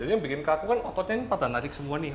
jadi yang bikin kaku kan ototnya ini pada ngarik semua nih